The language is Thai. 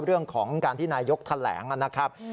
เรื่องของการที่นายกแถลงนะครับ